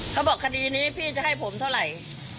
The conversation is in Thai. คดีนี้พี่จะให้ผมเท่าไหร่